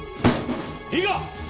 いいか！